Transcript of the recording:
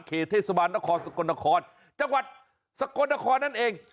เทศบาลนครสกลนครจังหวัดสกลนครนั่นเอง